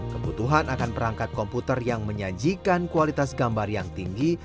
kebutuhan akan perangkat komputer yang menyajikan kualitas gambar yang tinggi